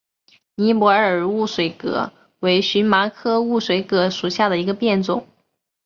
尼泊尔雾水葛为荨麻科雾水葛属下的一个变种。